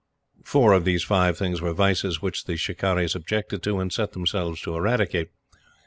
Four of these five things were vices which the "Shikarris" objected to and set themselves to eradicate.